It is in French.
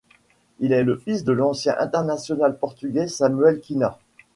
Il est le fils de l'ancien international portugais Samuel Quina.